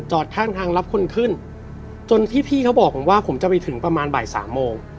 จนที่พี่เขาบอกว่าผมจะไปถึงประมาณบ่ายสามโมง